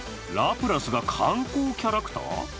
ラプラスが観光キャラクター？